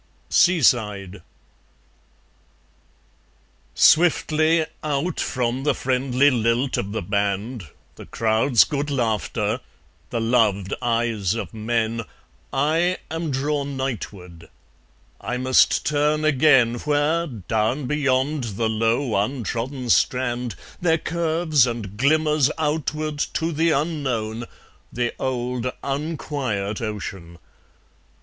Seaside Swiftly out from the friendly lilt of the band, The crowd's good laughter, the loved eyes of men, I am drawn nightward; I must turn again Where, down beyond the low untrodden strand, There curves and glimmers outward to the unknown The old unquiet ocean.